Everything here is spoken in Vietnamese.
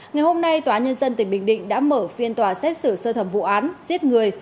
ngày hôm nay tòa nhân dân tỉnh bình định đã mở phiên tòa xét xử sơ thẩm vụ án giết người